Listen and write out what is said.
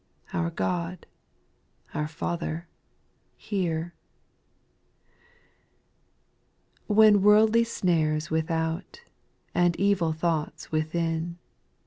Our God, our Father, hear ! 2. When worldly snares without, And evil thoughts within.